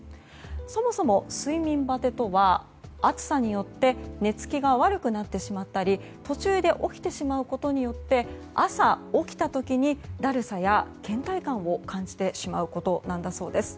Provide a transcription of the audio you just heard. そもそも睡眠バテとは暑さによって寝つきが悪くなってしまったり途中で起きてしまうことによって朝起きた時にだるさや倦怠感を感じてしまうことだそうです。